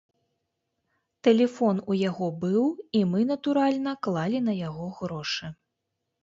Тэлефон у яго быў, і мы, натуральна, клалі на яго грошы.